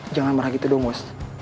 jangan marah gitu dong mas